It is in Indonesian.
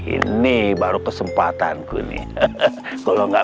ini baru kesempatanku nih kalau enggak